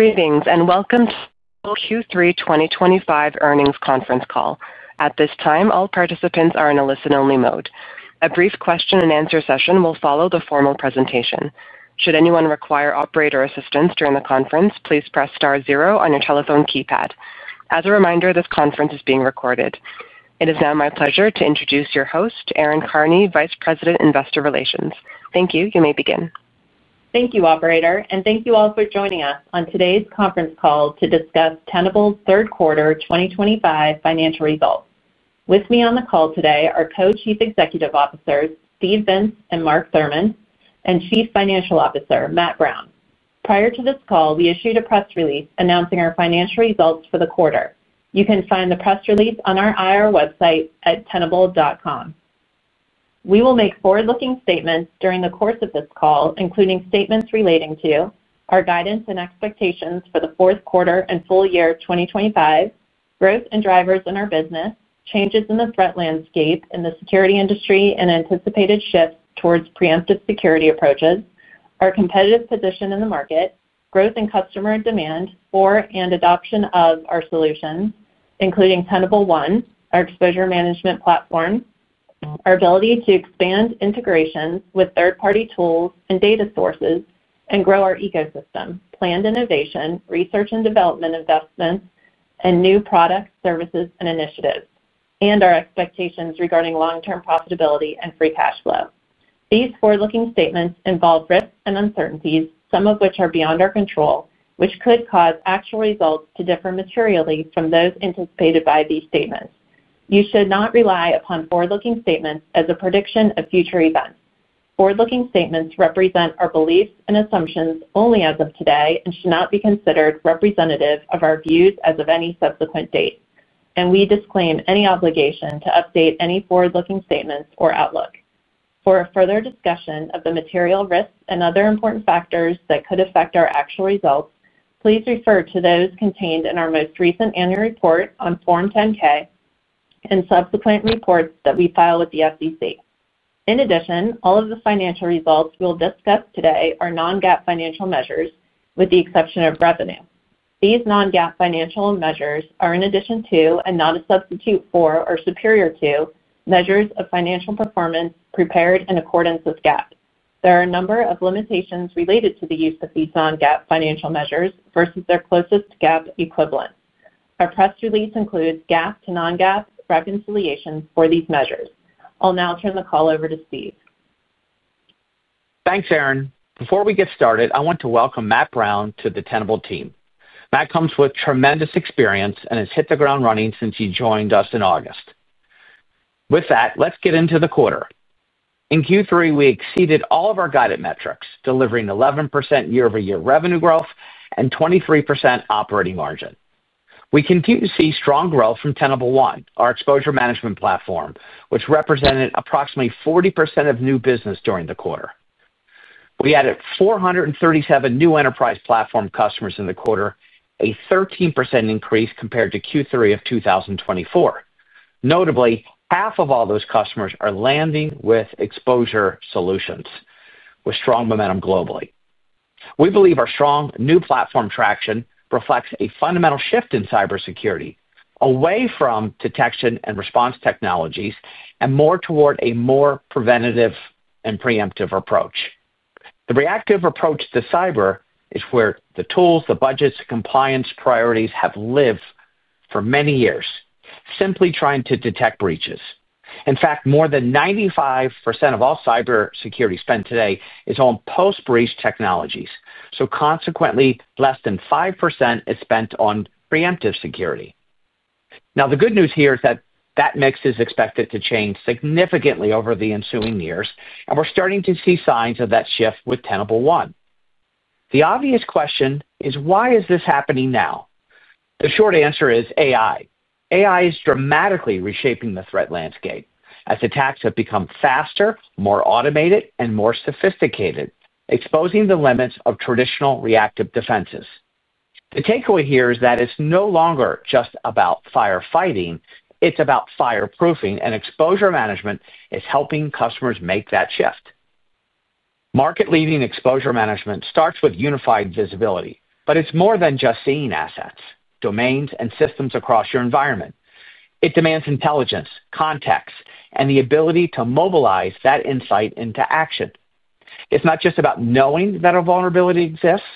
Greetings and welcome to the Q3 2025 earnings conference call. At this time, all participants are in a listen-only mode. A brief question and answer session will follow the formal presentation. Should anyone require operator assistance during the conference, please press star zero on your telephone keypad. As a reminder, this conference is being recorded. It is now my pleasure to introduce your host, Erin Carney, Vice President, Investor Relations. Thank you. You may begin. Thank you, operator, and thank you all for joining us on today's conference call to discuss Tenable's third quarter 2025 financial results. With me on the call today are Co-Chief Executive Officers Steve Vintz and Mark Thurmond, and Chief Financial Officer Matt Brown. Prior to this call, we issued a press release announcing our financial results for the quarter. You can find the press release on our IR website at tenable.com. We will make forward-looking statements during the course of this call, including statements relating to our guidance and expectations for the fourth quarter and full year 2025, growth and drivers in our business, changes in the threat landscape in the security industry, and anticipated shifts towards preemptive security approaches, our competitive position in the market, growth in customer demand for and adoption of our solutions, including Tenable One, our exposure management platform, our ability to expand integrations with third-party tools and data sources, and grow our ecosystem, planned innovation, research and development investments, and new products, services, and initiatives, and our expectations regarding long-term profitability and free cash flow. These forward-looking statements involve risks and uncertainties, some of which are beyond our control, which could cause actual results to differ materially from those anticipated by these statements. You should not rely upon forward-looking statements as a prediction of future events. Forward-looking statements represent our beliefs and assumptions only as of today and should not be considered representative of our views as of any subsequent date. We disclaim any obligation to update any forward-looking statements or outlook. For a further discussion of the material risks and other important factors that could affect our actual results, please refer to those contained in our most recent annual report on Form 10-K and subsequent reports that we file with the SEC. In addition, all of the financial results we'll discuss today are non-GAAP financial measures, with the exception of revenue. These non-GAAP financial measures are in addition to, and not a substitute for, or superior to, measures of financial performance prepared in accordance with GAAP. There are a number of limitations related to the use of these non-GAAP financial measures versus their closest GAAP equivalent. Our press release includes GAAP to non-GAAP reconciliations for these measures. I'll now turn the call over to Steve. Thanks, Erin. Before we get started, I want to welcome Matt Brown to the Tenable team. Matt comes with tremendous experience and has hit the ground running since he joined us in August. With that, let's get into the quarter. In Q3, we exceeded all of our guided metrics, delivering 11% year-over-year revenue growth and 23% operating margin. We continue to see strong growth from Tenable One, our exposure management platform, which represented approximately 40% of new business during the quarter. We added 437 new enterprise platform customers in the quarter, a 13% increase compared to Q3 of 2024. Notably, half of all those customers are landing with exposure solutions, with strong momentum globally. We believe our strong new platform traction reflects a fundamental shift in cybersecurity, away from detection and response technologies and more toward a more preventative and preemptive approach. The reactive approach to cyber is where the tools, the budgets, the compliance priorities have lived for many years, simply trying to detect breaches. In fact, more than 95% of all cybersecurity spent today is on post-breach technologies. Consequently, less than 5% is spent on preemptive security. The good news here is that that mix is expected to change significantly over the ensuing years, and we're starting to see signs of that shift with Tenable One. The obvious question is, why is this happening now? The short answer is AI. AI is dramatically reshaping the threat landscape as attacks have become faster, more automated, and more sophisticated, exposing the limits of traditional reactive defenses. The takeaway here is that it's no longer just about firefighting; it's about fireproofing, and exposure management is helping customers make that shift. Market-leading exposure management starts with unified visibility, but it's more than just seeing assets, domains, and systems across your environment. It demands intelligence, context, and the ability to mobilize that insight into action. It's not just about knowing that a vulnerability exists,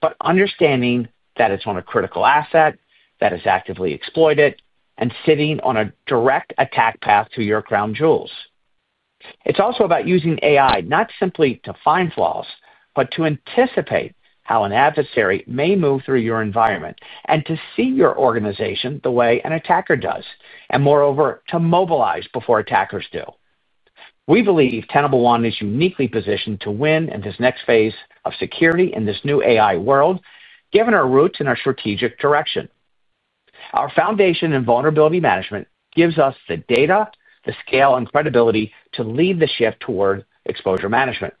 but understanding that it's on a critical asset, that it's actively exploited, and sitting on a direct attack path to your crown jewels. It's also about using AI not simply to find flaws, but to anticipate how an adversary may move through your environment and to see your organization the way an attacker does, and moreover, to mobilize before attackers do. We believe Tenable One is uniquely positioned to win in this next phase of security in this new AI world, given our roots and our strategic direction. Our foundation in vulnerability management gives us the data, the scale, and credibility to lead the shift toward exposure management.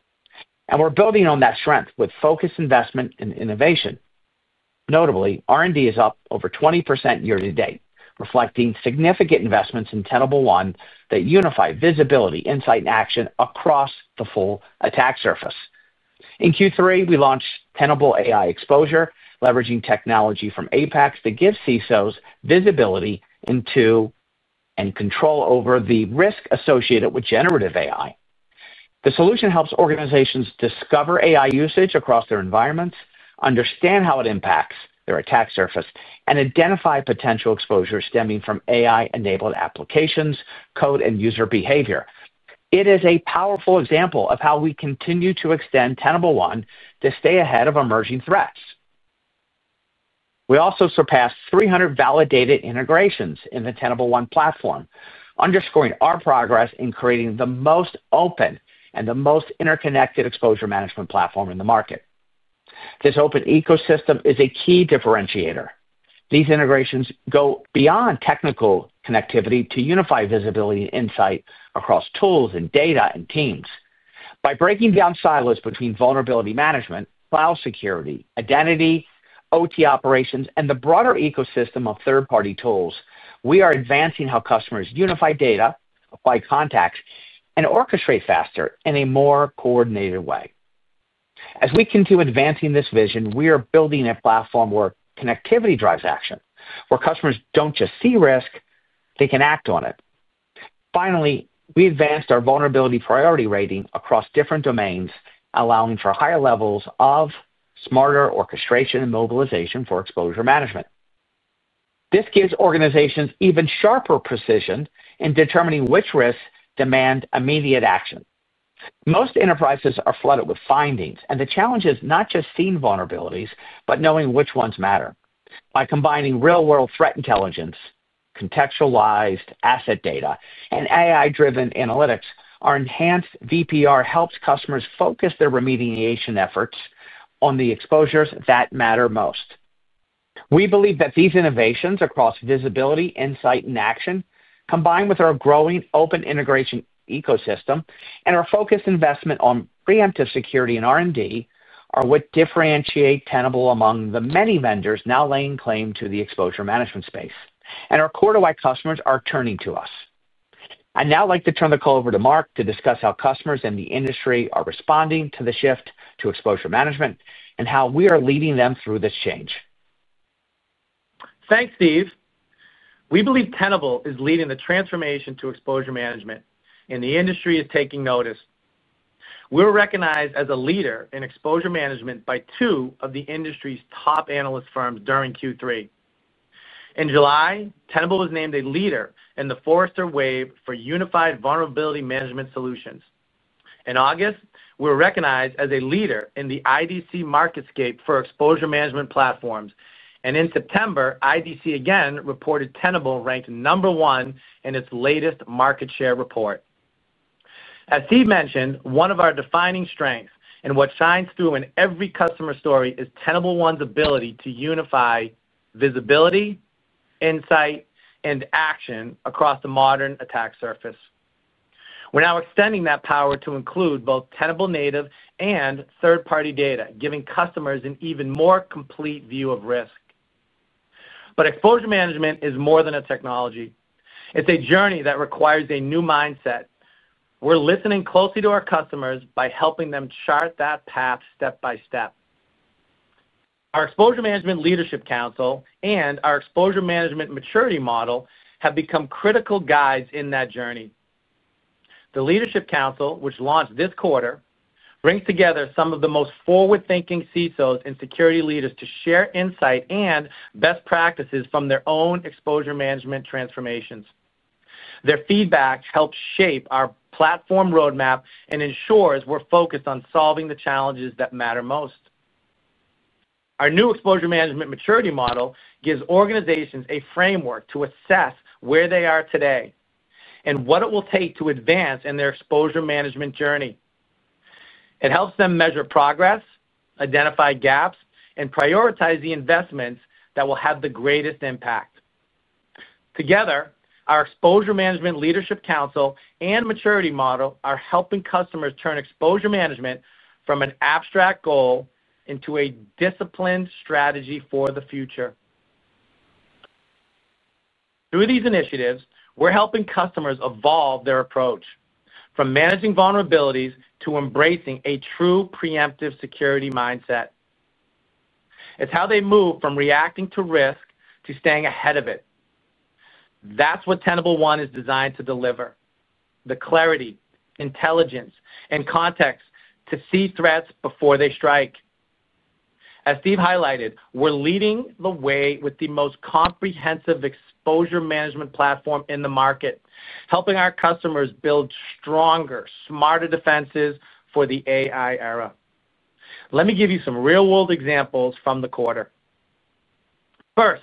We're building on that strength with focused investment in innovation. Notably, R&D is up over 20% year to date, reflecting significant investments in Tenable One that unify visibility, insight, and action across the full attack surface. In Q3, we launched Tenable AI Exposure, leveraging technology from Apex to give CISOs visibility into and control over the risk associated with generative AI. The solution helps organizations discover AI usage across their environments, understand how it impacts their attack surface, and identify potential exposures stemming from AI-enabled applications, code, and user behavior. It is a powerful example of how we continue to extend Tenable One to stay ahead of emerging threats. We also surpassed 300 validated integrations in the Tenable One platform, underscoring our progress in creating the most open and the most interconnected exposure management platform in the market. This open ecosystem is a key differentiator. These integrations go beyond technical connectivity to unify visibility and insight across tools and data and teams. By breaking down silos between vulnerability management, cloud security, identity, OT operations, and the broader ecosystem of third-party tools, we are advancing how customers unify data, apply context, and orchestrate faster in a more coordinated way. As we continue advancing this vision, we are building a platform where connectivity drives action, where customers don't just see risk; they can act on it. Finally, we advanced our vulnerability priority rating across different domains, allowing for higher levels of smarter orchestration and mobilization for exposure management. This gives organizations even sharper precision in determining which risks demand immediate action. Most enterprises are flooded with findings, and the challenge is not just seeing vulnerabilities, but knowing which ones matter. By combining real-world threat intelligence, contextualized asset data, and AI-driven analytics, our enhanced VPR helps customers focus their remediation efforts on the exposures that matter most. We believe that these innovations across visibility, insight, and action, combined with our growing open integration ecosystem and our focused investment on preemptive security and R&D, are what differentiate Tenable among the many vendors now laying claim to the exposure management space. Our quarter-wide customers are turning to us. I'd now like to turn the call over to Mark to discuss how customers in the industry are responding to the shift to exposure management and how we are leading them through this change. Thanks, Steve. We believe Tenable is leading the transformation to exposure management, and the industry is taking notice. We were recognized as a leader in exposure management by two of the industry's top analyst firms during Q3. In July, Tenable was named a leader in the Forrester Wave for Unified Vulnerability Management Solutions. In August, we were recognized as a leader in the IDC Marketscape for Exposure Management Platforms. In September, IDC again reported Tenable ranked number one in its latest market share report. As Steve mentioned, one of our defining strengths and what shines through in every customer story is Tenable One's ability to unify visibility, insight, and action across the modern attack surface. We're now extending that power to include both Tenable native and third-party data, giving customers an even more complete view of risk. Exposure management is more than a technology. It's a journey that requires a new mindset. We're listening closely to our customers by helping them chart that path step by step. Our Exposure Management Leadership Council and our Exposure Management Maturity Model have become critical guides in that journey. The Leadership Council, which launched this quarter, brings together some of the most forward-thinking CISOs and security leaders to share insight and best practices from their own exposure management transformations. Their feedback helps shape our platform roadmap and ensures we're focused on solving the challenges that matter most. Our new Exposure Management Maturity Model gives organizations a framework to assess where they are today and what it will take to advance in their exposure management journey. It helps them measure progress, identify gaps, and prioritize the investments that will have the greatest impact. Together, our Exposure Management Leadership Council and Maturity Model are helping customers turn exposure management from an abstract goal into a disciplined strategy for the future. Through these initiatives, we're helping customers evolve their approach from managing vulnerabilities to embracing a true preemptive security mindset. It's how they move from reacting to risk to staying ahead of it. That's what Tenable One is designed to deliver: the clarity, intelligence, and context to see threats before they strike. As Steve highlighted, we're leading the way with the most comprehensive exposure management platform in the market, helping our customers build stronger, smarter defenses for the AI era. Let me give you some real-world examples from the quarter. First,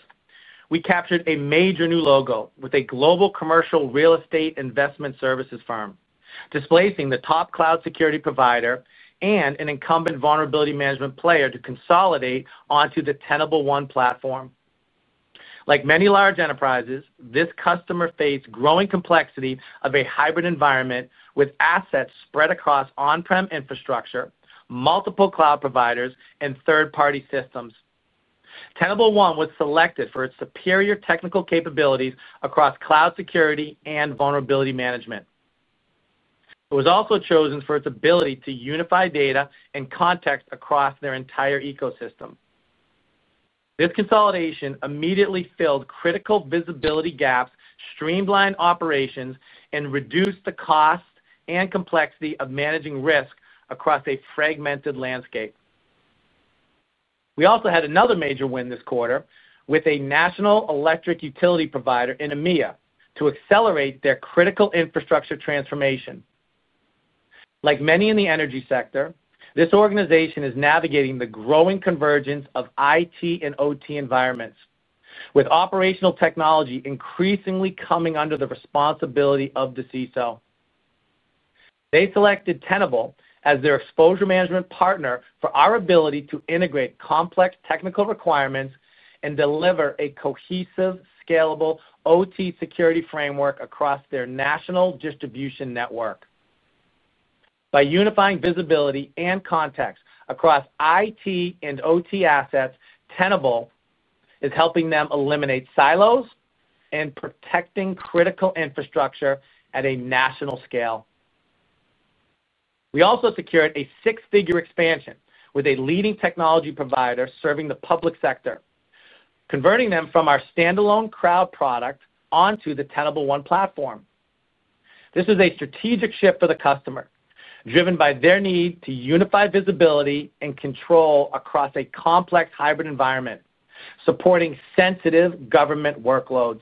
we captured a major new logo with a global commercial real estate investment services firm, displacing the top cloud security provider and an incumbent vulnerability management player to consolidate onto the Tenable One platform. Like many large enterprises, this customer faced growing complexity of a hybrid environment with assets spread across on-prem infrastructure, multiple cloud providers, and third-party systems. Tenable One was selected for its superior technical capabilities across cloud security and vulnerability management. It was also chosen for its ability to unify data and context across their entire ecosystem. This consolidation immediately filled critical visibility gaps, streamlined operations, and reduced the cost and complexity of managing risk across a fragmented landscape. We also had another major win this quarter with a national electric utility provider in EMEA to accelerate their critical infrastructure transformation. Like many in the energy sector, this organization is navigating the growing convergence of IT and OT environments, with operational technology increasingly coming under the responsibility of the CISO. They selected Tenable as their exposure management partner for our ability to integrate complex technical requirements and deliver a cohesive, scalable OT security framework across their national distribution network. By unifying visibility and context across IT and OT assets, Tenable is helping them eliminate silos and protecting critical infrastructure at a national scale. We also secured a six-figure expansion with a leading technology provider serving the public sector, converting them from our standalone cloud product onto the Tenable One platform. This is a strategic shift for the customer, driven by their need to unify visibility and control across a complex hybrid environment, supporting sensitive government workloads.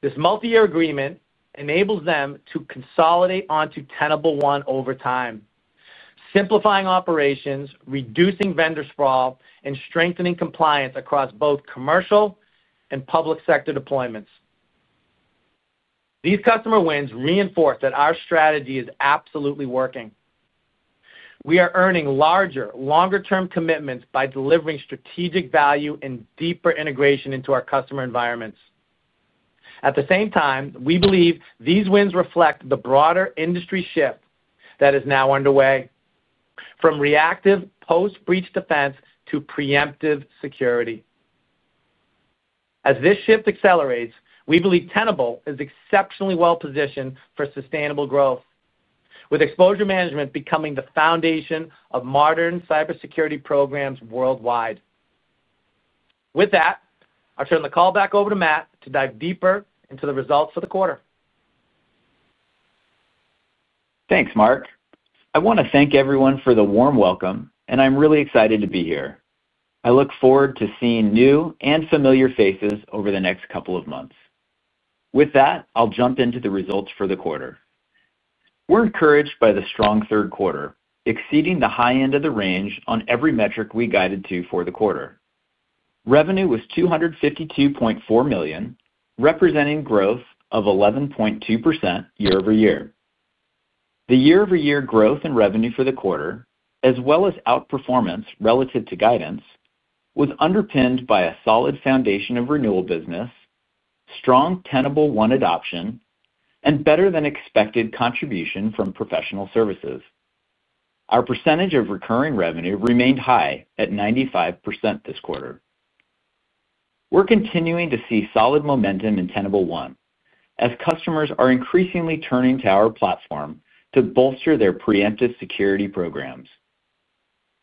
This multi-year agreement enables them to consolidate onto Tenable One over time, simplifying operations, reducing vendor sprawl, and strengthening compliance across both commercial and public sector deployments. These customer wins reinforce that our strategy is absolutely working. We are earning larger, longer-term commitments by delivering strategic value and deeper integration into our customer environments. At the same time, we believe these wins reflect the broader industry shift that is now underway, from reactive post-breach defense to preemptive security. As this shift accelerates, we believe Tenable is exceptionally well-positioned for sustainable growth, with exposure management becoming the foundation of modern cybersecurity programs worldwide. With that, I'll turn the call back over to Matt to dive deeper into the results for the quarter. Thanks, Mark. I want to thank everyone for the warm welcome, and I'm really excited to be here. I look forward to seeing new and familiar faces over the next couple of months. With that, I'll jump into the results for the quarter. We're encouraged by the strong third quarter, exceeding the high end of the range on every metric we guided to for the quarter. Revenue was $252.4 million, representing growth of 11.2% year-over-year. The year-over-year growth in revenue for the quarter, as well as outperformance relative to guidance, was underpinned by a solid foundation of renewal business, strong Tenable One adoption, and better-than-expected contribution from professional services. Our percentage of recurring revenue remained high at 95% this quarter. We're continuing to see solid momentum in Tenable One, as customers are increasingly turning to our platform to bolster their preemptive security programs.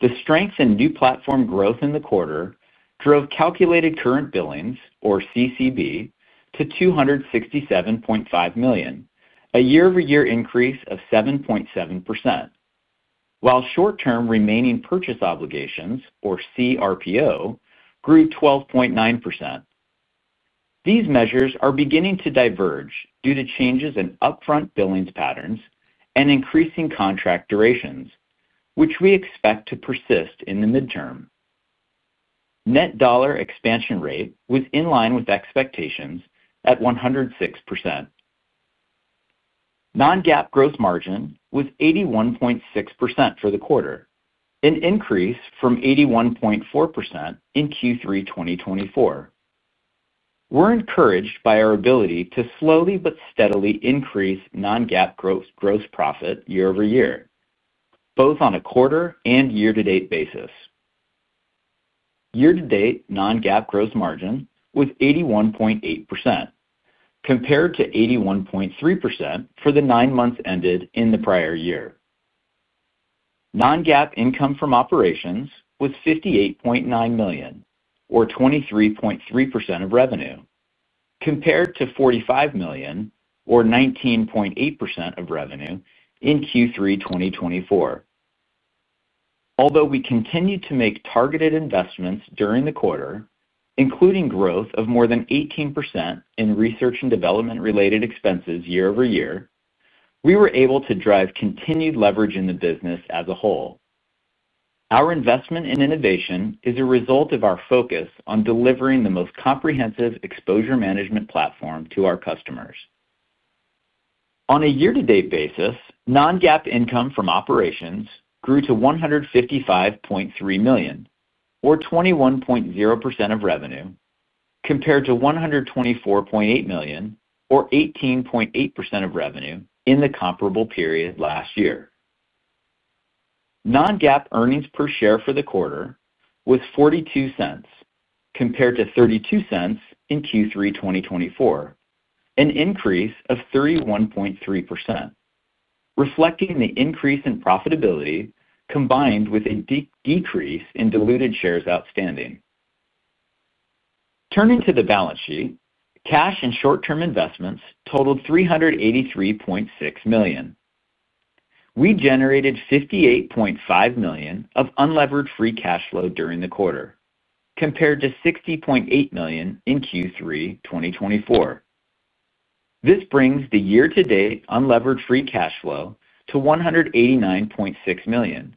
The strengths and new platform growth in the quarter drove calculated current billings, or CCB, to $267.5 million, a year-over-year increase of 7.7%, while short-term remaining purchase obligations, or CRPO, grew 12.9%. These measures are beginning to diverge due to changes in upfront billings patterns and increasing contract durations, which we expect to persist in the midterm. Net dollar expansion rate was in line with expectations at 106%. Non-GAAP gross margin was 81.6% for the quarter, an increase from 81.4% in Q3 2024. We're encouraged by our ability to slowly but steadily increase non-GAAP gross profit year-over-year, both on a quarter and year-to-date basis. Year-to-date non-GAAP gross margin was 81.8%, compared to 81.3% for the nine months ended in the prior year. Non-GAAP income from operations was $58.9 million, or 23.3% of revenue, compared to $45 million, or 19.8% of revenue in Q3 2024. Although we continued to make targeted investments during the quarter, including growth of more than 18% in research and development-related expenses year-over-year, we were able to drive continued leverage in the business as a whole. Our investment in innovation is a result of our focus on delivering the most comprehensive exposure management platform to our customers. On a year-to-date basis, non-GAAP income from operations grew to $155.3 million, or 21.0% of revenue, compared to $124.8 million, or 18.8% of revenue in the comparable period last year. Non-GAAP earnings per share for the quarter was $0.42, compared to $0.32 in Q3 2024, an increase of 31.3%, reflecting the increase in profitability combined with a decrease in diluted shares outstanding. Turning to the balance sheet, cash and short-term investments totaled $383.6 million. We generated $58.5 million of unleveraged free cash flow during the quarter, compared to $60.8 million in Q3 2024. This brings the year-to-date unleveraged free cash flow to $189.6 million,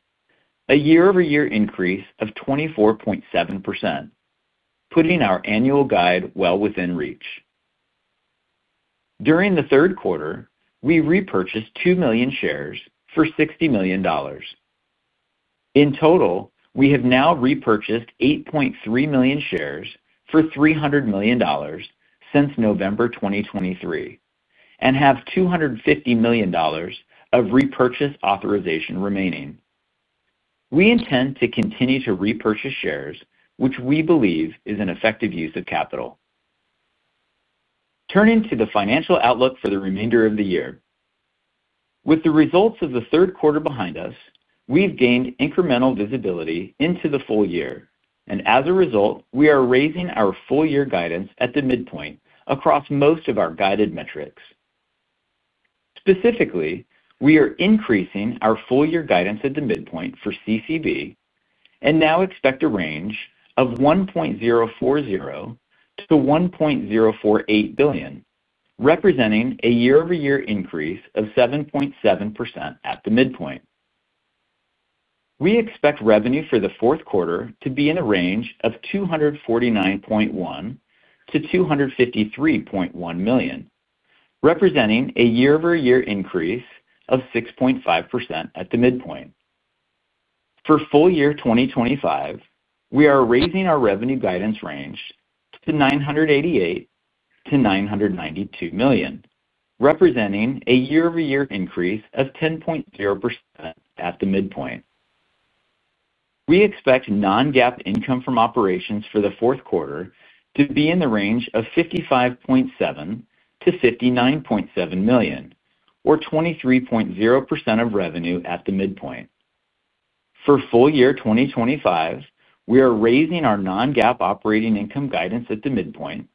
a year-over-year increase of 24.7%, putting our annual guide well within reach. During the third quarter, we repurchased 2 million shares for $60 million. In total, we have now repurchased 8.3 million shares for $300 million since November 2023 and have $250 million of repurchase authorization remaining. We intend to continue to repurchase shares, which we believe is an effective use of capital. Turning to the financial outlook for the remainder of the year, with the results of the third quarter behind us, we've gained incremental visibility into the full year, and as a result, we are raising our full-year guidance at the midpoint across most of our guided metrics. Specifically, we are increasing our full-year guidance at the midpoint for calculated current billings and now expect a range of $1.040 billion-$1.048 billion, representing a year-over-year increase of 7.7% at the midpoint. We expect revenue for the fourth quarter to be in a range of $249.1 million-$253.1 million, representing a year-over-year increase of 6.5% at the midpoint. For full year 2025, we are raising our revenue guidance range to $988 million-$992 million, representing a year-over-year increase of 10.0% at the midpoint. We expect non-GAAP income from operations for the fourth quarter to be in the range of $55.7 million-$59.7 million, or 23.0% of revenue at the midpoint. For full year 2025, we are raising our non-GAAP operating income guidance at the midpoint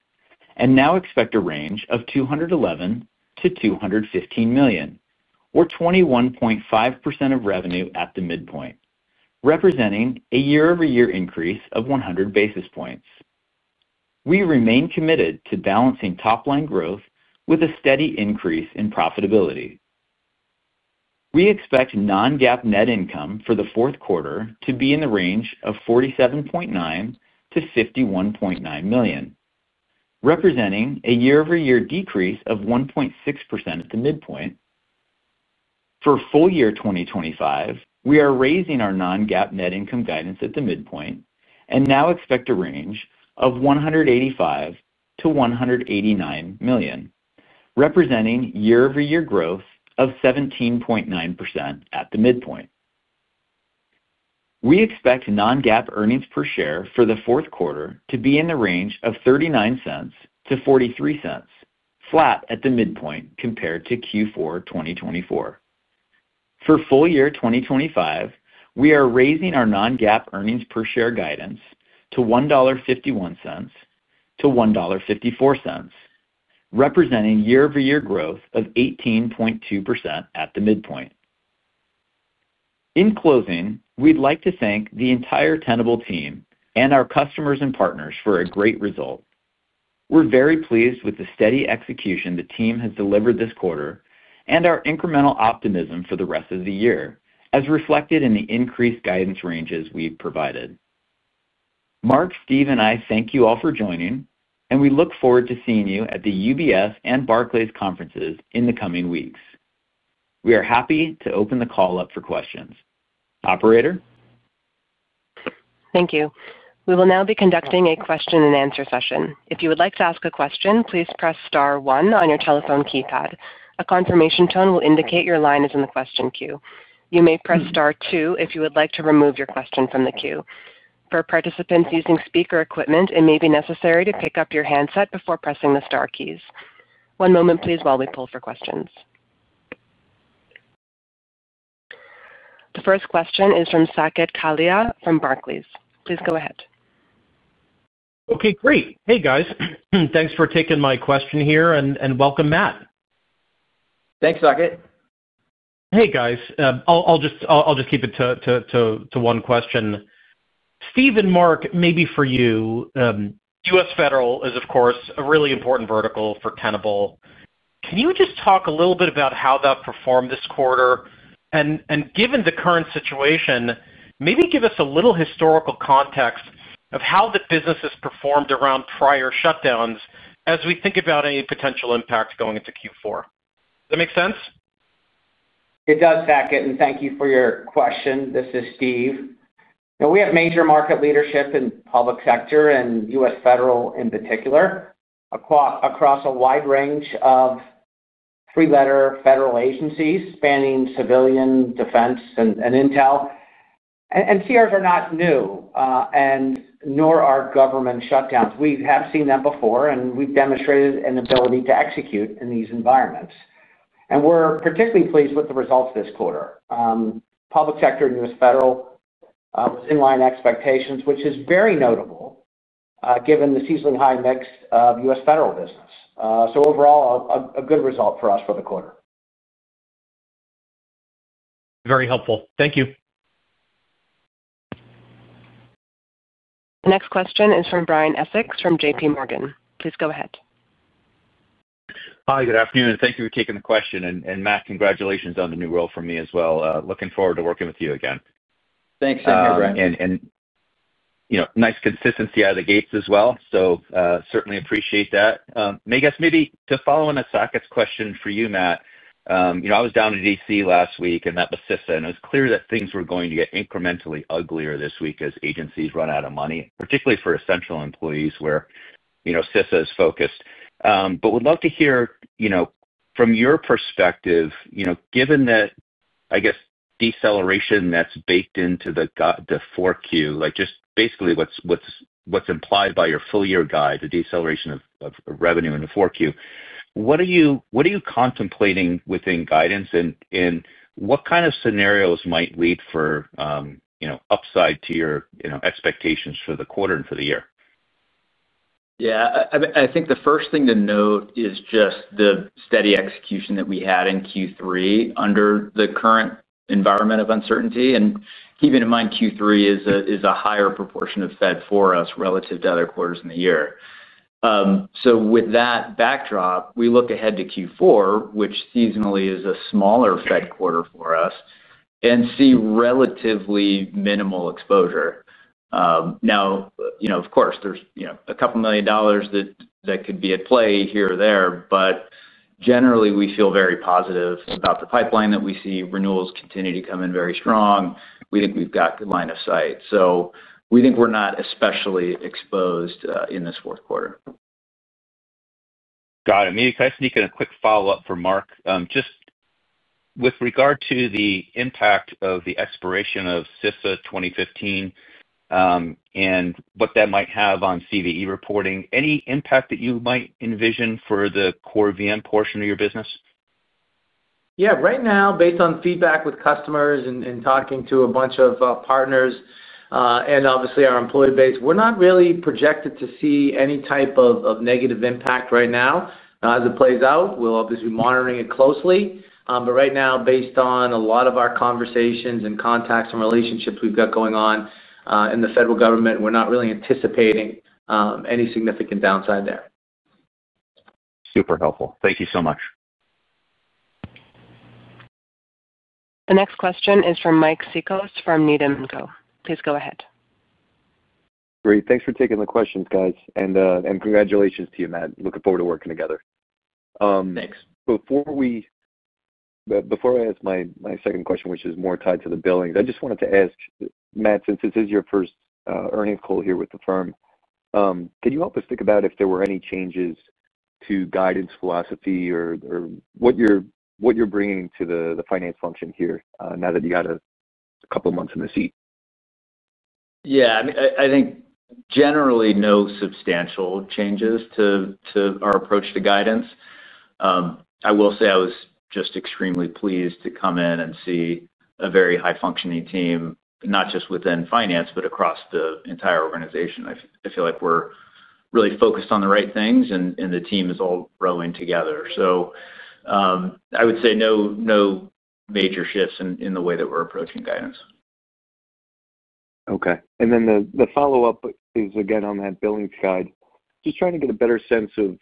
and now expect a range of $211 million-$215 million, or 21.5% of revenue at the midpoint, representing a year-over-year increase of 100 basis points. We remain committed to balancing top-line growth with a steady increase in profitability. We expect non-GAAP net income for the fourth quarter to be in the range of $47.9 million-$51.9 million, representing a year-over-year decrease of 1.6% at the midpoint. For full year 2025, we are raising our non-GAAP net income guidance at the midpoint and now expect a range of $185 million-$189 million, representing year-over-year growth of 17.9% at the midpoint. We expect non-GAAP earnings per share for the fourth quarter to be in the range of $0.39-$0.43, flat at the midpoint compared to Q4 2024. For full year 2025, we are raising our non-GAAP earnings per share guidance to $1.51-$1.54, representing year-over-year growth of 18.2% at the midpoint. In closing, we'd like to thank the entire Tenable team and our customers and partners for a great result. We're very pleased with the steady execution the team has delivered this quarter and our incremental optimism for the rest of the year, as reflected in the increased guidance ranges we've provided. Mark, Steve, and I thank you all for joining, and we look forward to seeing you at the UBS and Barclays conferences in the coming weeks. We are happy to open the call up for questions. Operator? Thank you. We will now be conducting a question and answer session. If you would like to ask a question, please press star one on your telephone keypad. A confirmation tone will indicate your line is in the question queue. You may press star two if you would like to remove your question from the queue. For participants using speaker equipment, it may be necessary to pick up your handset before pressing the star keys. One moment, please, while we poll for questions. The first question is from Saket Kalia from Barclays. Please go ahead. Okay, great. Hey, guys. Thanks for taking my question here, and welcome, Matt. Thanks, Saket. Hey, guys. I'll just keep it to one question. Steve and Mark, maybe for you, U.S. Federal is, of course, a really important vertical for Tenable. Can you just talk a little bit about how that performed this quarter? Given the current situation, maybe give us a little historical context of how the business has performed around prior shutdowns as we think about any potential impact going into Q4. Does that make sense? It does, Saket, and thank you for your question. This is Steve. You know, we have major market leadership in the public sector and U.S. Federal in particular, across a wide range of three-letter federal agencies spanning civilian, defense, and intel. CRs are not new, nor are government shutdowns. We have seen them before, and we've demonstrated an ability to execute in these environments. We're particularly pleased with the results this quarter. Public sector and U.S. Federal was in line with expectations, which is very notable, given the seasonally high mix of U.S. Federal business. Overall, a good result for us for the quarter. Very helpful. Thank you. Next question is from Brian Essex from JPMorgan. Please go ahead. Hi, good afternoon. Thank you for taking the question. Matt, congratulations on the new role from me as well. Looking forward to working with you again. Thanks, Bryan. You know, nice consistency out of the gates as well, so certainly appreciate that. I guess maybe to follow on Saket's question for you, Matt, I was down in D.C. last week and met with CISA, and it was clear that things were going to get incrementally uglier this week as agencies run out of money, particularly for essential employees where CISA is focused. We'd love to hear from your perspective, given that, I guess, deceleration that's baked into the Q4, like just basically what's implied by your full-year guide, the deceleration of revenue in Q4, what are you contemplating within guidance and what kind of scenarios might lead for upside to your expectations for the quarter and for the year? I think the first thing to note is just the steady execution that we had in Q3 under the current environment of uncertainty. Keeping in mind Q3 is a higher proportion of Fed for us relative to other quarters in the year, with that backdrop, we look ahead to Q4, which seasonally is a smaller Fed quarter for us, and see relatively minimal exposure. Of course, there's a couple million dollars that could be at play here or there, but generally, we feel very positive about the pipeline that we see. Renewals continue to come in very strong. We think we've got a good line of sight, so we think we're not especially exposed in this fourth quarter. Got it. Maybe can I sneak in a quick follow-up for Mark? Just with regard to the impact of the expiration of CISA 2015 and what that might have on CVE reporting, any impact that you might envision for the core VM portion of your business? Right now, based on feedback with customers and talking to a bunch of partners and obviously our employee base, we're not really projected to see any type of negative impact right now as it plays out. We'll obviously be monitoring it closely. Right now, based on a lot of our conversations and contacts and relationships we've got going on in the federal government, we're not really anticipating any significant downside there. Super helpful. Thank you so much. The next question is from Mike Sikos from Needham & Co. Please go ahead. Great. Thanks for taking the questions, guys. Congratulations to you, Matt. Looking forward to working together. Thanks. Before I ask my second question, which is more tied to the billings, I just wanted to ask, Matt, since this is your first earnings call here with the firm, can you help us think about if there were any changes to guidance philosophy or what you're bringing to the finance function here now that you had a couple of months in the seat? Yeah, I think generally no substantial changes to our approach to guidance. I will say I was just extremely pleased to come in and see a very high-functioning team, not just within Finance, but across the entire organization. I feel like we're really focused on the right things, and the team is all rowing together. I would say no major shifts in the way that we're approaching guidance. Okay. The follow-up is, again, on that billings guide, just trying to get a better sense of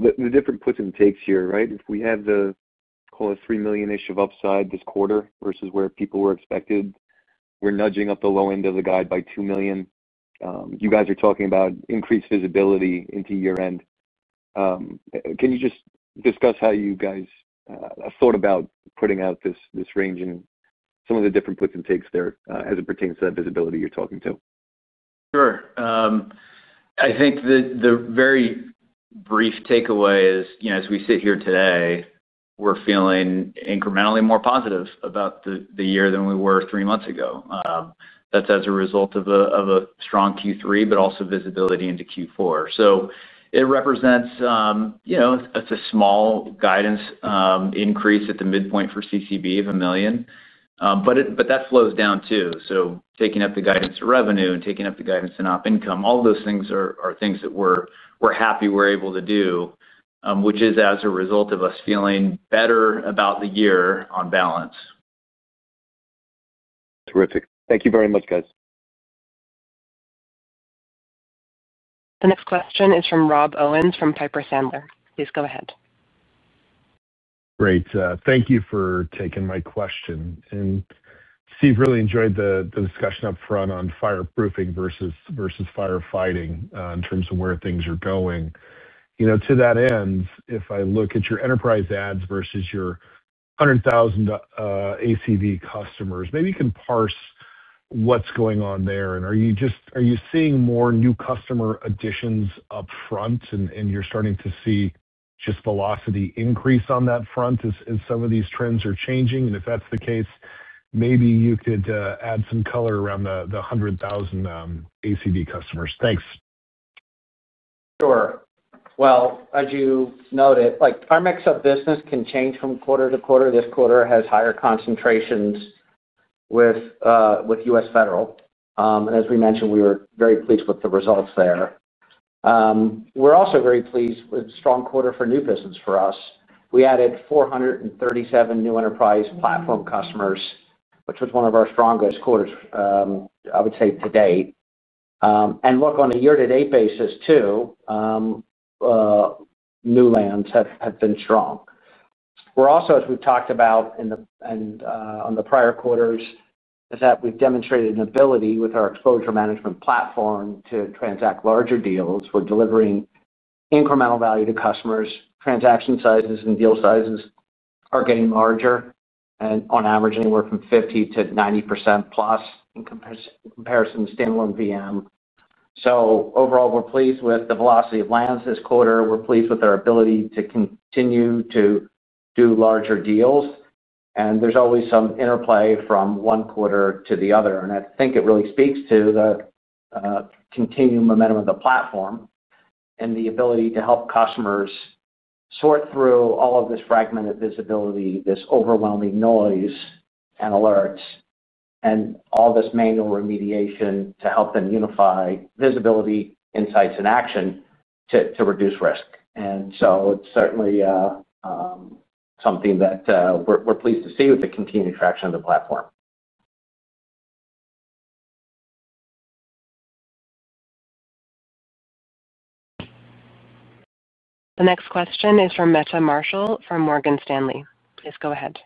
the different puts and takes here, right? If we had the, call it, $3 million-ish of upside this quarter versus where people were expected, we're nudging up the low end of the guide by $2 million. You guys are talking about increased visibility into year-end. Can you just discuss how you guys thought about putting out this range and some of the different puts and takes there as it pertains to that visibility you're talking to? Sure. I think the very brief takeaway is, you know, as we sit here today, we're feeling incrementally more positive about the year than we were three months ago. That's as a result of a strong Q3, but also visibility into Q4. It represents, you know, it's a small guidance increase at the midpoint for calculated current billings of $1 million. That flows down too, taking up the guidance to revenue and taking up the guidance to non-GAAP operating income. All of those things are things that we're happy we're able to do, which is as a result of us feeling better about the year on balance. Terrific. Thank you very much, guys. The next question is from Rob Owens from Piper Sandler. Please go ahead. Great. Thank you for taking my question. Steve, I really enjoyed the discussion up front on fireproofing versus firefighting in terms of where things are going. To that end, if I look at your enterprise ads versus your $100,000 ACV customers, maybe you can parse what's going on there. Are you seeing more new customer additions up front and you're starting to see just velocity increase on that front as some of these trends are changing? If that's the case, maybe you could add some color around the $100,000 ACV customers. Thanks. Sure. As you noted, our mix of business can change from quarter to quarter. This quarter has higher concentrations with U.S. Federal, and as we mentioned, we were very pleased with the results there. We're also very pleased with a strong quarter for new business for us. We added 437 new enterprise platform customers, which was one of our strongest quarters, I would say, to date. On a year-to-date basis too, new lands have been strong. As we've talked about in the prior quarters, we've demonstrated an ability with our exposure management platform to transact larger deals. We're delivering incremental value to customers. Transaction sizes and deal sizes are getting larger, and on average, anywhere from 50%-90% plus in comparison to standalone VM. Overall, we're pleased with the velocity of lands this quarter. We're pleased with our ability to continue to do larger deals. There's always some interplay from one quarter to the other. I think it really speaks to the continued momentum of the platform and the ability to help customers sort through all of this fragmented visibility, this overwhelming noise and alerts, and all this manual remediation to help them unify visibility, insights, and action to reduce risk. It's certainly something that we're pleased to see with the continued traction of the platform. The next question is from Meta Marshall from Morgan Stanley. Please go ahead.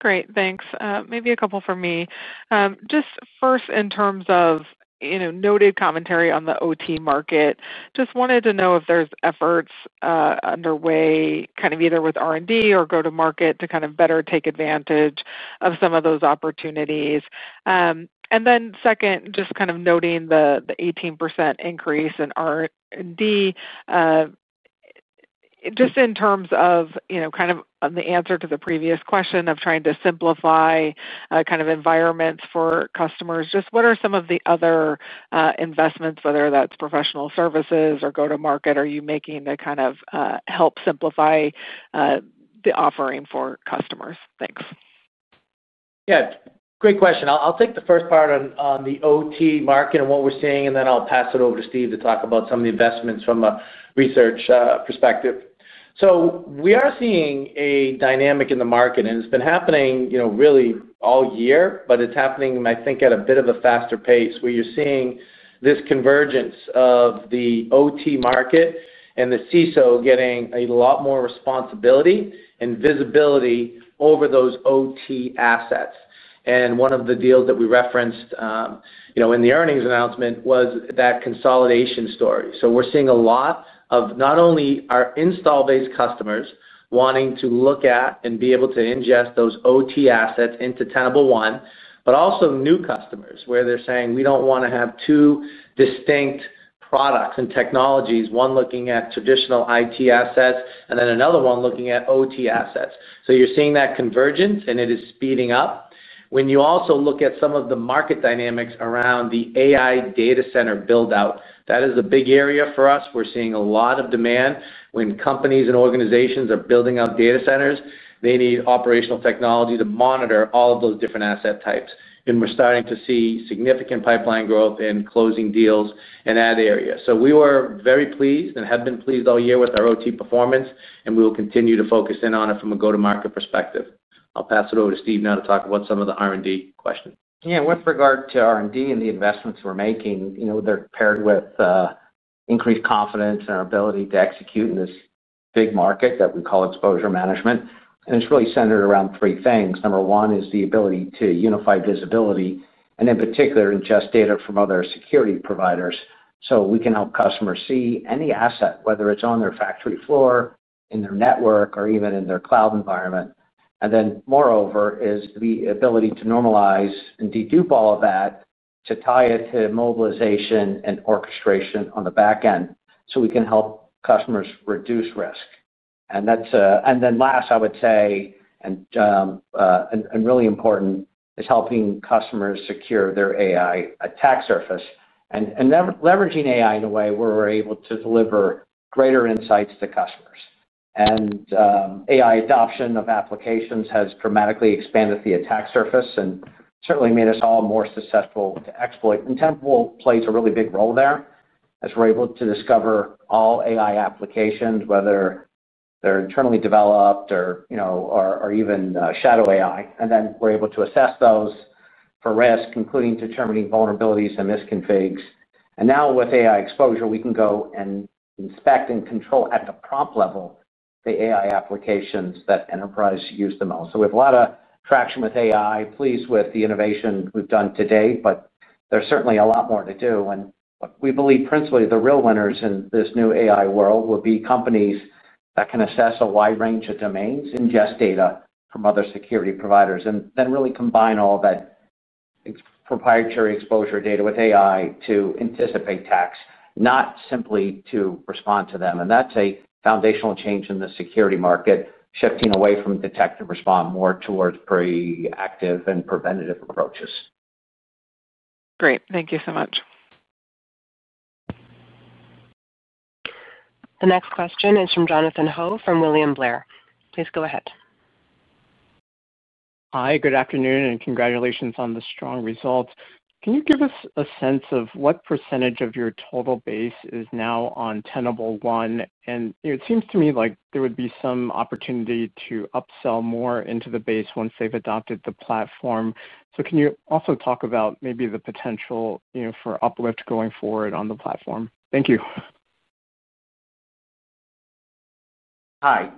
Great, thanks. Maybe a couple for me. First, in terms of noted commentary on the OT market, I just wanted to know if there's efforts underway either with R&D or go-to-market to better take advantage of some of those opportunities. Second, noting the 18% increase in R&D, in terms of the answer to the previous question of trying to simplify environments for customers, what are some of the other investments, whether that's professional services or go-to-market, are you making to help simplify the offering for customers? Thanks. Yeah, great question. I'll take the first part on the OT market and what we're seeing, then I'll pass it over to Steve to talk about some of the investments from a research perspective. We are seeing a dynamic in the market, and it's been happening really all year, but it's happening, I think, at a bit of a faster pace where you're seeing this convergence of the OT market and the CISO getting a lot more responsibility and visibility over those OT assets. One of the deals that we referenced in the earnings announcement was that consolidation story. We're seeing a lot of not only our install-based customers wanting to look at and be able to ingest those OT assets into Tenable One, but also new customers where they're saying, "We don't want to have two distinct products and technologies, one looking at traditional IT assets and then another one looking at OT assets." You're seeing that convergence, and it is speeding up. When you also look at some of the market dynamics around the AI data center buildout, that is a big area for us. We're seeing a lot of demand when companies and organizations are building out data centers. They need operational technology to monitor all of those different asset types. We're starting to see significant pipeline growth in closing deals in that area. We were very pleased and have been pleased all year with our OT performance, and we will continue to focus in on it from a go-to-market perspective. I'll pass it over to Steve now to talk about some of the R&D questions. Yeah, with regard to R&D and the investments we're making, they're paired with increased confidence in our ability to execute in this big market that we call exposure management. It's really centered around three things. Number one is the ability to unify visibility, and in particular, ingest data from other security providers so we can help customers see any asset, whether it's on their factory floor, in their network, or even in their cloud environment. Moreover, the ability to normalize and dedupe all of that to tie it to mobilization and orchestration on the back end so we can help customers reduce risk. Last, I would say, and really important, is helping customers secure their AI attack surface and leveraging AI in a way where we're able to deliver greater insights to customers. AI adoption of applications has dramatically expanded the attack surface and certainly made us all more susceptible to exploit. Tenable plays a really big role there as we're able to discover all AI applications, whether they're internally developed or even shadow AI. We're able to assess those for risk, including determining vulnerabilities and misconfigs. Now with Tenable AI Exposure, we can go and inspect and control at the prompt level the AI applications that enterprises use the most. We have a lot of traction with AI, pleased with the innovation we've done to date, but there's certainly a lot more to do. We believe principally the real winners in this new AI world will be companies that can assess a wide range of domains, ingest data from other security providers, and really combine all of that proprietary exposure data with AI to anticipate attacks, not simply to respond to them. That's a foundational change in the security market, shifting away from detective response more towards pre-active and preventative approaches. Great. Thank you so much. The next question is from Jonathan Ho from William Blair. Please go ahead. Hi, good afternoon, and congratulations on the strong results. Can you give us a sense of what % of your total base is now on Tenable One? It seems to me like there would be some opportunity to upsell more into the base once they've adopted the platform. Can you also talk about maybe the potential for uplift going forward on the platform? Thank you.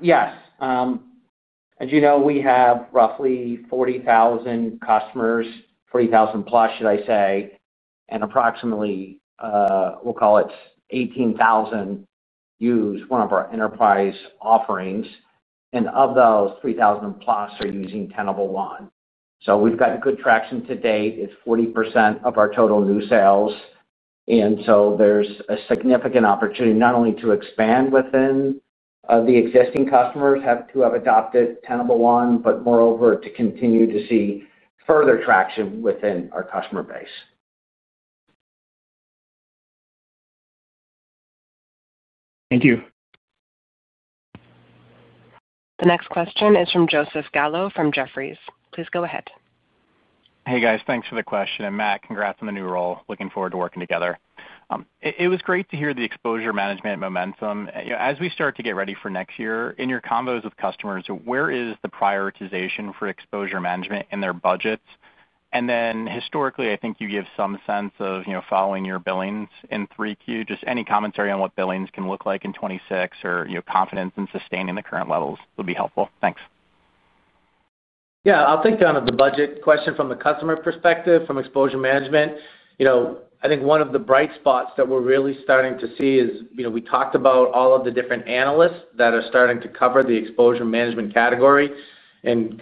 Yes. As you know, we have roughly 40,000 customers, 40,000 plus, should I say, and approximately, we'll call it 18,000 use one of our enterprise offerings. Of those, 3,000 plus are using Tenable One. We've gotten good traction to date. It's 40% of our total new sales. There is a significant opportunity not only to expand within the existing customers who have adopted Tenable One, but moreover, to continue to see further traction within our customer base. Thank you. The next question is from Joseph Gallo from Jefferies. Please go ahead. Hey, guys. Thanks for the question. Matt, congrats on the new role. Looking forward to working together. It was great to hear the exposure management momentum. As we start to get ready for next year, in your convos with customers, where is the prioritization for exposure management in their budgets? Historically, I think you give some sense of following your billings in Q3. Any commentary on what billings can look like in 2026 or confidence in sustaining the current levels would be helpful. Thanks. I'll take kind of the budget question from the customer perspective from exposure management. I think one of the bright spots that we're really starting to see is, you know, we talked about all of the different analysts that are starting to cover the exposure management category.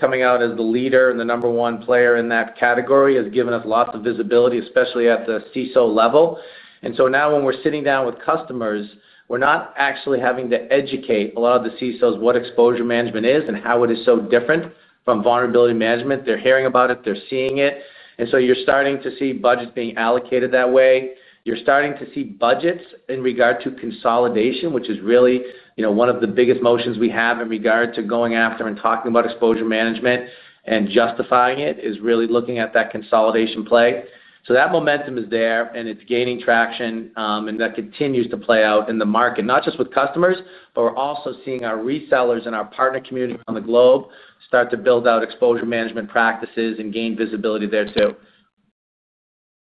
Coming out as the leader and the number one player in that category has given us lots of visibility, especially at the CISO level. Now when we're sitting down with customers, we're not actually having to educate a lot of the CISOs what exposure management is and how it is so different from vulnerability management. They're hearing about it. They're seeing it. You're starting to see budgets being allocated that way. You're starting to see budgets in regard to consolidation, which is really one of the biggest motions we have in regard to going after and talking about exposure management and justifying it is really looking at that consolidation play. That momentum is there, and it's gaining traction. That continues to play out in the market, not just with customers, but we're also seeing our resellers and our partner community around the globe start to build out exposure management practices and gain visibility there too.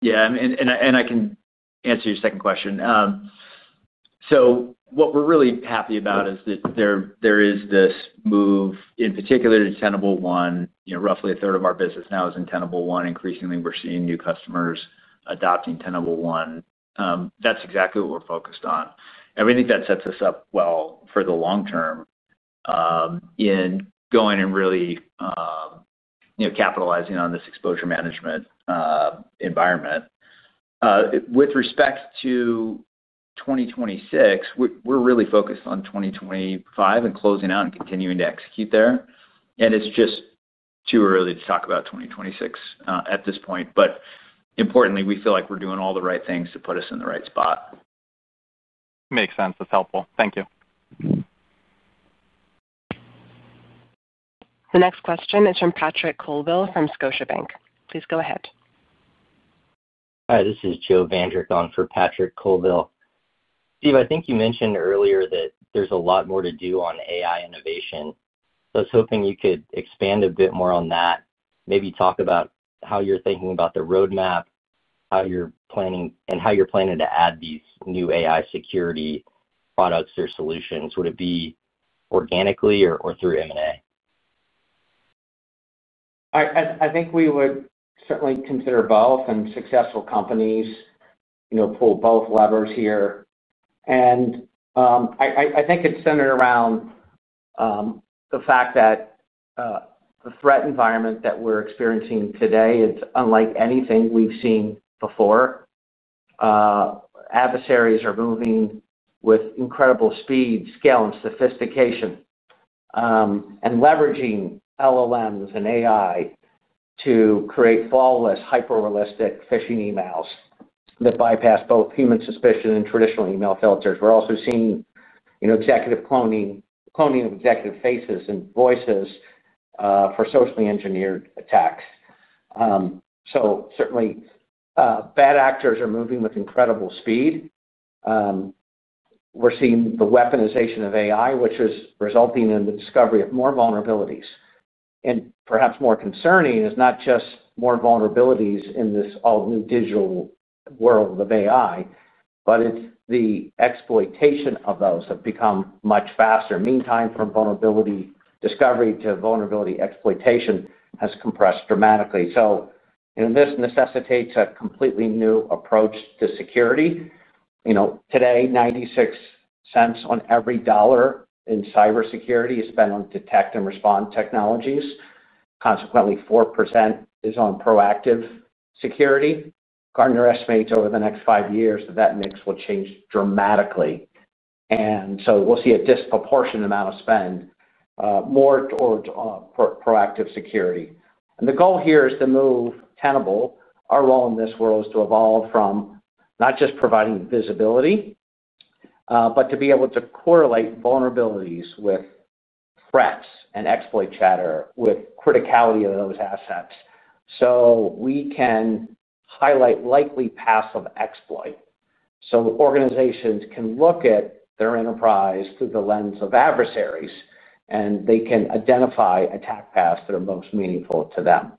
Yeah, I can answer your second question. What we're really happy about is that there is this move in particular to Tenable One. You know, roughly a third of our business now is in Tenable One. Increasingly, we're seeing new customers adopting Tenable One. That's exactly what we're focused on. We think that sets us up well for the long term in going and really, you know, capitalizing on this exposure management environment. With respect to 2026, we're really focused on 2025 and closing out and continuing to execute there. It's just too early to talk about 2026 at this point. Importantly, we feel like we're doing all the right things to put us in the right spot. Makes sense. That's helpful. Thank you. The next question is from Patrick Colville from Scotiabank. Please go ahead. Hi, this is Joe Vandrick on for Patrick Colville. Steve, I think you mentioned earlier that there's a lot more to do on AI innovation. I was hoping you could expand a bit more on that. Maybe talk about how you're thinking about the roadmap, how you're planning, and how you're planning to add these new AI security products or solutions. Would it be organically or through M&A? I think we would certainly consider both, and successful companies, you know, pull both levers here. I think it's centered around the fact that the threat environment that we're experiencing today is unlike anything we've seen before. Adversaries are moving with incredible speed, scale, and sophistication, and leveraging LLMs and AI to create flawless, hyper-realistic phishing emails that bypass both human suspicion and traditional email filters. We're also seeing, you know, executive cloning, cloning of executive faces and voices for socially engineered attacks. Certainly, bad actors are moving with incredible speed. We're seeing the weaponization of AI, which is resulting in the discovery of more vulnerabilities. Perhaps more concerning is not just more vulnerabilities in this all-new digital world of AI, but it's the exploitation of those that have become much faster. Meantime, from vulnerability discovery to vulnerability exploitation has compressed dramatically. This necessitates a completely new approach to security. Today, $0.96 on every dollar in cybersecurity is spent on detect and respond technologies. Consequently, 4% is on proactive security. Gartner estimates over the next five years that that mix will change dramatically. We will see a disproportionate amount of spend, more towards proactive security. The goal here is to move Tenable. Our role in this world is to evolve from not just providing visibility, but to be able to correlate vulnerabilities with threats and exploit chatter with criticality of those assets. We can highlight likely paths of exploit so organizations can look at their enterprise through the lens of adversaries, and they can identify attack paths that are most meaningful to them.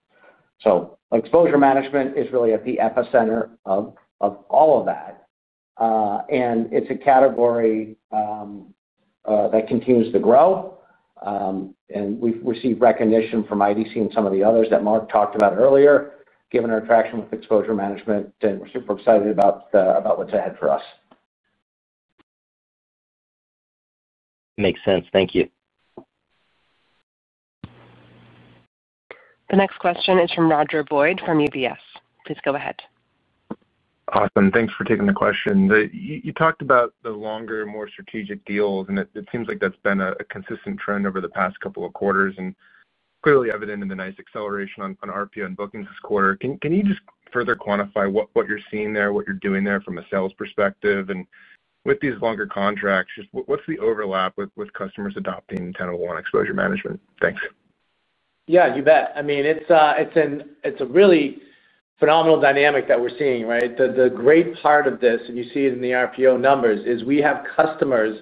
Exposure management is really at the epicenter of all of that, and it's a category that continues to grow. We've received recognition from IDC and some of the others that Mark talked about earlier, given our traction with exposure management. We're super excited about what's ahead for us. Makes sense. Thank you. The next question is from Roger Boyd from UBS. Please go ahead. Awesome. Thanks for taking the question. You talked about the longer, more strategic deals, and it seems like that's been a consistent trend over the past couple of quarters and clearly evident in the nice acceleration on RPO and bookings this quarter. Can you just further quantify what you're seeing there, what you're doing there from a sales perspective? With these longer contracts, what's the overlap with customers adopting Tenable One exposure management? Thanks. Yeah, you bet. I mean, it's a really phenomenal dynamic that we're seeing, right? The great part of this, and you see it in the RPO numbers, is we have customers,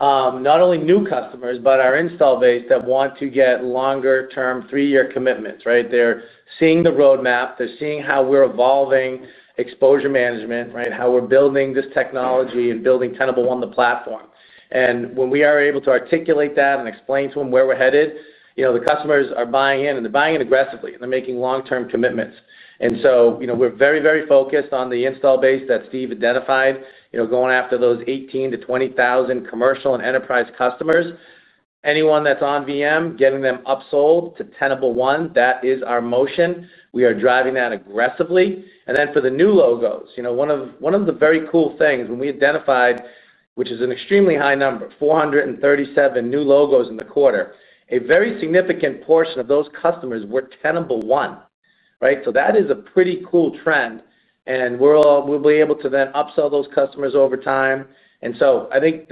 not only new customers, but our install base that want to get longer-term three-year commitments, right? They're seeing the roadmap. They're seeing how we're evolving exposure management, right? How we're building this technology and building Tenable One the platform. When we are able to articulate that and explain to them where we're headed, the customers are buying in, and they're buying in aggressively, and they're making long-term commitments. We're very, very focused on the install base that Steve identified, going after those 18,000 to 20,000 commercial and enterprise customers. Anyone that's on VM, getting them upsold to Tenable One, that is our motion. We are driving that aggressively. For the new logos, one of the very cool things we identified, which is an extremely high number, 437 new logos in the quarter, a very significant portion of those customers were Tenable One, right? That is a pretty cool trend. We'll be able to then upsell those customers over time. I think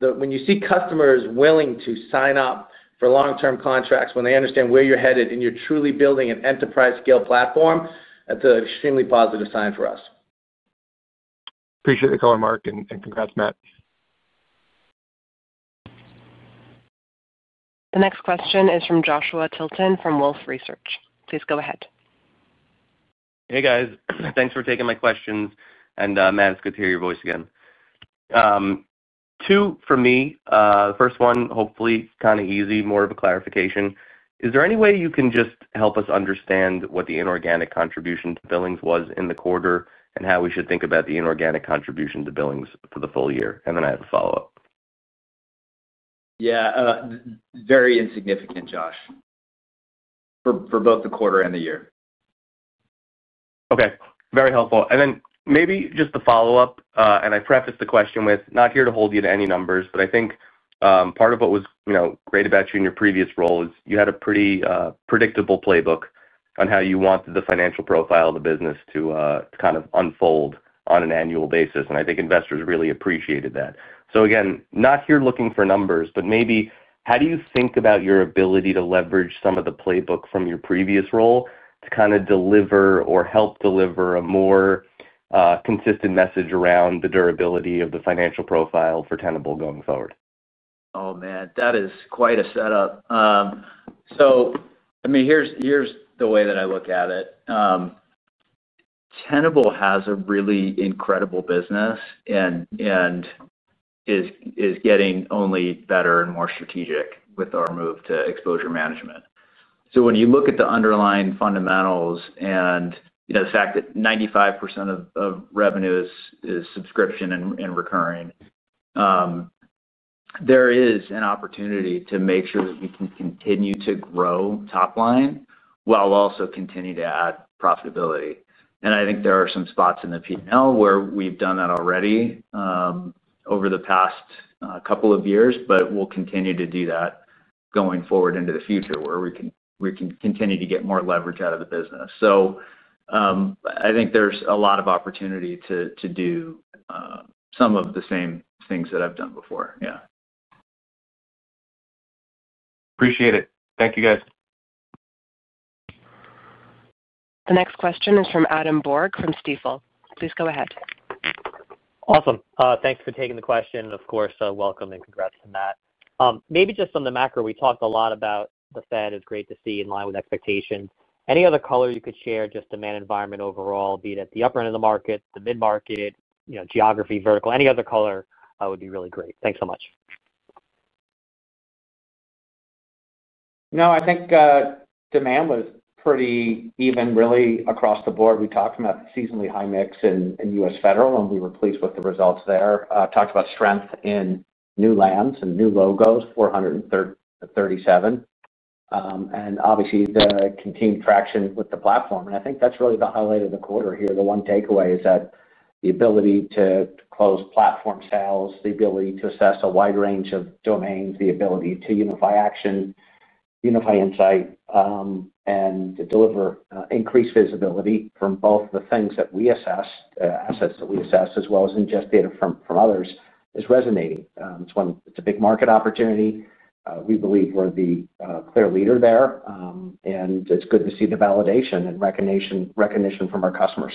when you see customers willing to sign up for long-term contracts when they understand where you're headed and you're truly building an enterprise-scale platform, that's an extremely positive sign for us. Appreciate the call, Mark, and congrats, Matt. The next question is from Joshua Tilton from Wolfe Research. Please go ahead. Hey, guys. Thanks for taking my questions. Matt, it's good to hear your voice again. Two for me. The first one, hopefully kind of easy, more of a clarification. Is there any way you can just help us understand what the inorganic contribution to billings was in the quarter and how we should think about the inorganic contribution to billings for the full year? I have a follow-up. Yeah, very insignificant, Josh, for both the quarter and the year. Okay. Very helpful. Maybe just the follow-up. I preface the question with not here to hold you to any numbers, but I think part of what was great about you in your previous role is you had a pretty predictable playbook on how you wanted the financial profile of the business to kind of unfold on an annual basis. I think investors really appreciated that. Again, not here looking for numbers, but maybe how do you think about your ability to leverage some of the playbook from your previous role to kind of deliver or help deliver a more consistent message around the durability of the financial profile for Tenable going forward? Oh, man, that is quite a setup. I mean, here's the way that I look at it. Tenable has a really incredible business and is getting only better and more strategic with our move to exposure management. When you look at the underlying fundamentals and the fact that 95% of revenue is subscription and recurring, there is an opportunity to make sure that we can continue to grow top line while also continuing to add profitability. I think there are some spots in the P&L where we've done that already over the past couple of years, but we'll continue to do that going forward into the future where we can continue to get more leverage out of the business. I think there's a lot of opportunity to do some of the same things that I've done before. Yeah. Appreciate it. Thank you, guys. The next question is from Adam Borg from Stifel. Please go ahead. Awesome. Thanks for taking the question. Of course, welcome and congrats to Matt. Maybe just on the macro, we talked a lot about the Fed. It is great to see in line with expectations. Any other color you could share, just demand environment overall, be it at the upper end of the market, the mid-market, geography, vertical, any other color would be really great. Thanks so much. No, I think demand was pretty even really across the board. We talked about the seasonally high mix in U.S. Federal, and we were pleased with the results there. Talked about strength in new lands and new logos, 437, and obviously, the continued traction with the platform. I think that's really the highlight of the quarter here. The one takeaway is that the ability to close platform sales, the ability to assess a wide range of domains, the ability to unify action, unify insight, and to deliver increased visibility from both the things that we assess, assets that we assess, as well as ingest data from others, is resonating. It's a big market opportunity. We believe we're the clear leader there. It's good to see the validation and recognition from our customers.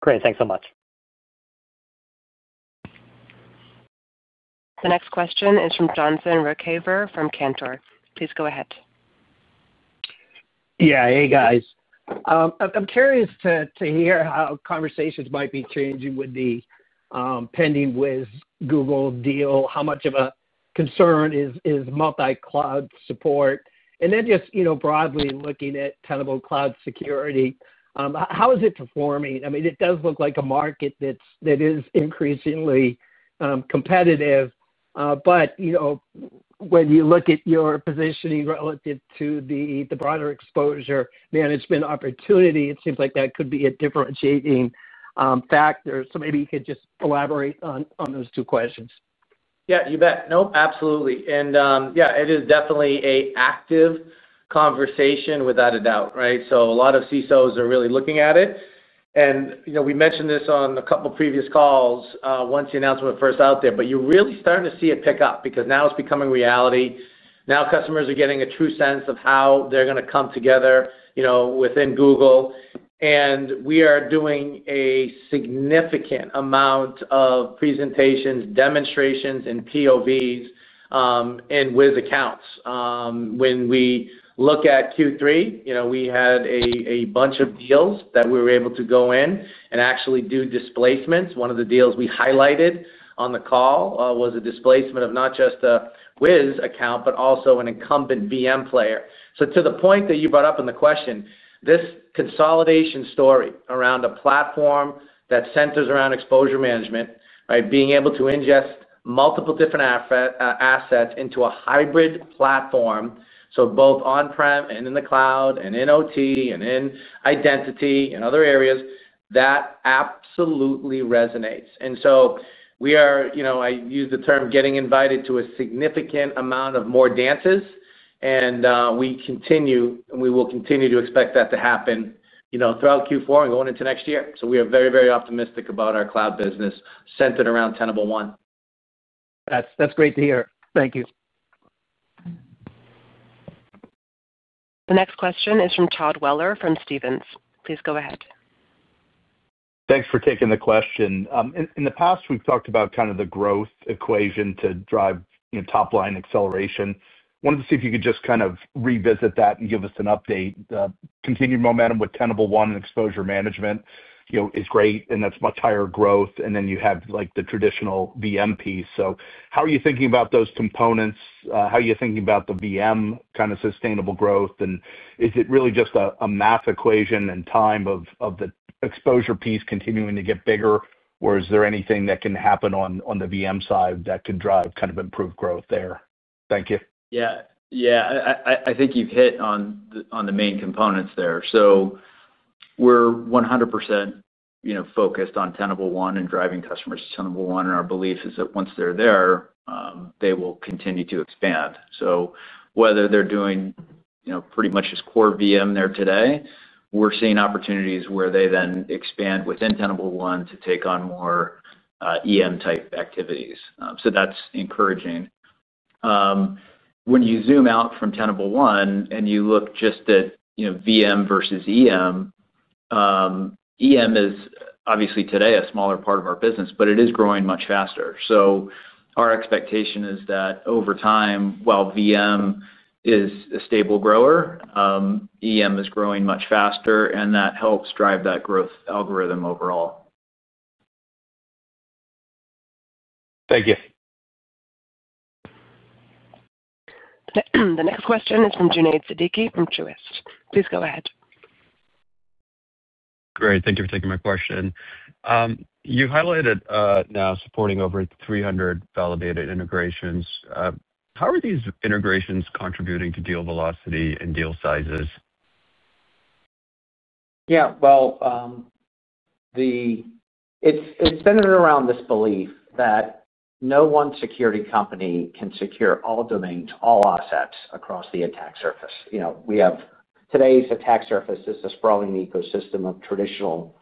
Great, thanks so much. The next question is from Johnson Rickaver from Cantor. Please go ahead. Yeah. Hey, guys. I'm curious to hear how conversations might be changing with the pending Google deal, how much of a concern is multi-cloud support? And then just, you know, broadly looking at Tenable cloud security, how is it performing? I mean, it does look like a market that is increasingly competitive. When you look at your positioning relative to the broader exposure management opportunity, it seems like that could be a differentiating factor. Maybe you could just elaborate on those two questions. Yeah, you bet. Nope, absolutely. It is definitely an active conversation without a doubt, right? A lot of CISOs are really looking at it. We mentioned this on a couple of previous calls once the announcement first was out there, but you're really starting to see it pick up because now it's becoming reality. Now customers are getting a true sense of how they're going to come together within Google. We are doing a significant amount of presentations, demonstrations, and POVs with accounts. When we look at Q3, we had a bunch of deals that we were able to go in and actually do displacements. One of the deals we highlighted on the call was a displacement of not just a Wiz account, but also an incumbent VM player. To the point that you brought up in the question, this consolidation story around a platform that centers around exposure management, being able to ingest multiple different assets into a hybrid platform, both on-prem and in the cloud and in OT and in identity and other areas, that absolutely resonates. I use the term getting invited to a significant amount of more dances. We continue and we will continue to expect that to happen throughout Q4 and going into next year. We are very, very optimistic about our cloud business centered around Tenable One. That's great to hear. Thank you. The next question is from Todd Weller from Stephens. Please go ahead. Thanks for taking the question. In the past, we've talked about kind of the growth equation to drive top line acceleration. Wanted to see if you could just kind of revisit that and give us an update. The continued momentum with Tenable One and exposure management is great, and that's much higher growth. Then you have like the traditional VM piece. How are you thinking about those components? How are you thinking about the VM kind of sustainable growth? Is it really just a math equation and time of the exposure piece continuing to get bigger, or is there anything that can happen on the VM side that can drive kind of improved growth there? Thank you. I think you've hit on the main components there. We're 100% focused on Tenable One and driving customers to Tenable One. Our belief is that once they're there, they will continue to expand. Whether they're doing pretty much just core VM there today, we're seeing opportunities where they then expand within Tenable One to take on more EM-type activities. That's encouraging. When you zoom out from Tenable One and you look just at VM versus EM, EM is obviously today a smaller part of our business, but it is growing much faster. Our expectation is that over time, while VM is a stable grower, EM is growing much faster, and that helps drive that growth algorithm overall. Thank you. The next question is from Junaid Siddiqui from Truist. Please go ahead. Great. Thank you for taking my question. You highlighted now supporting over 300 validated integrations. How are these integrations contributing to deal velocity and deal sizes? Yeah, it's centered around this belief that no one security company can secure all domains, all assets across the attack surface. You know, today's attack surface is a sprawling ecosystem of traditional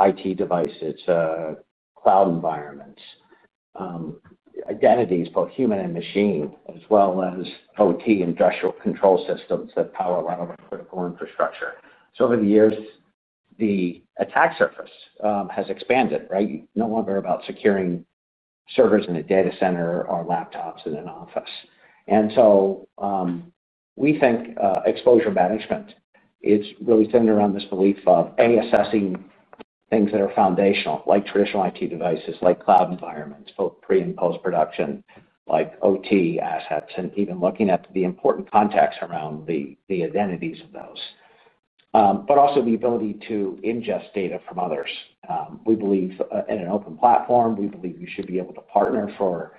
IT devices, cloud environments, identities, both human and machine, as well as OT industrial control systems that power a lot of our critical infrastructure. Over the years, the attack surface has expanded, right? It's no longer about securing servers in a data center or laptops in an office. We think exposure management is really centered around this belief of, A, assessing things that are foundational, like traditional IT devices, like cloud environments, both pre and post-production, like OT assets, and even looking at the important context around the identities of those, but also the ability to ingest data from others. We believe in an open platform. We believe you should be able to partner for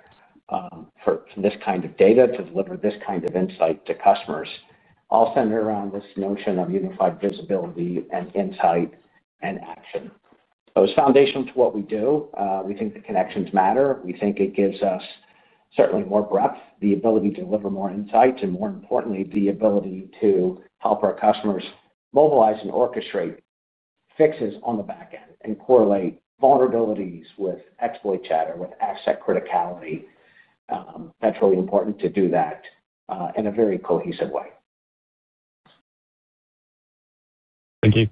this kind of data to deliver this kind of insight to customers, all centered around this notion of unified visibility and insight and action. It's foundational to what we do. We think the connections matter. We think it gives us certainly more breadth, the ability to deliver more insights, and more importantly, the ability to help our customers mobilize and orchestrate fixes on the back end and correlate vulnerabilities with exploit chatter, with asset criticality. That's really important to do that in a very cohesive way. Thank you.